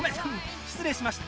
失礼しました。